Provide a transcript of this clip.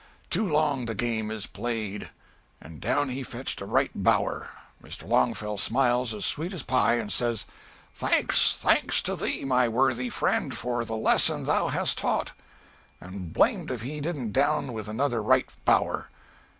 Too long the game is played!' and down he fetched a right bower. Mr. Longfellow smiles as sweet as pie and says "'Thanks, thanks to thee, my worthy friend, For the lesson thou hast taught,' and blamed if he didn't down with another right bower!